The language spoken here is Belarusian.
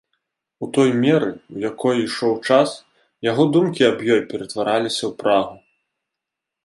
У той меры, у якой ішоў час, яго думкі аб ёй ператвараліся ў прагу.